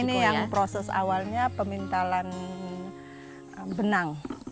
ini yang proses awalnya pemintalan benang